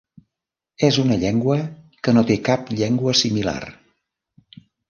És una llengua que no té cap llengua similar.